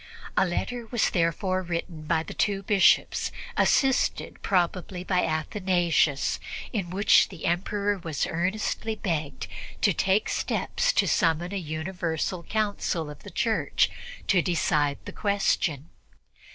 A letter was therefore written by the two Bishops, assisted probably by Athanasius, in which the Emperor was earnestly begged to take steps to summon a universal Council of the Church to decide the question.